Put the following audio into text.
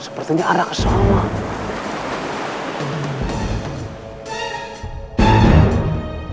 sepertinya arah keselamatan